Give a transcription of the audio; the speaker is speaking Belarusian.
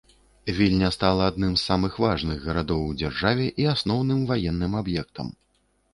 Вільня стала адным з самых важных гарадоў у дзяржаве і асноўным ваенным аб'ектам.